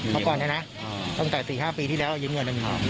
เมื่อก่อนนะตั้งแต่๔๕ปีที่แล้วยุ้มเงินน่ะ